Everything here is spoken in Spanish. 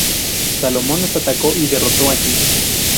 Salomón los atacó y derrotó allí.